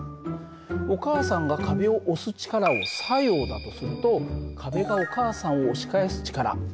お母さんが壁を押す力を作用だとすると壁がお母さんを押し返す力これが反作用なんだ。